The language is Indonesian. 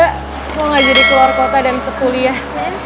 aku mau ngajari keluar kota dan untuk kuliah